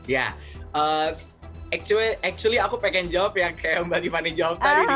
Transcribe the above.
ya actually aku pengen jawab yang kayak mbak tiffany jawab tadi